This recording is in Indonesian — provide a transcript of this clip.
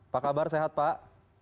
pak kabar sehat pak